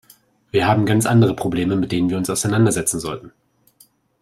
Wir haben ganz andere Probleme, mit denen wir uns auseinander setzen sollten.